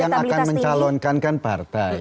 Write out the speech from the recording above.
yang akan mencalonkan kan partai